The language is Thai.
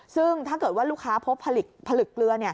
ซึ่งถ้าเกิดว่าลูกค้าพบผลึกเกลือ